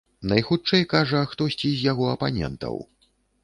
Найхутчэй, кажа, хтосьці з яго апанентаў.